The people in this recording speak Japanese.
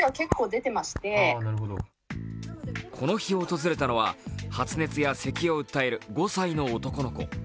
この日訪れたのは発熱やせきを訴える５歳の男の子。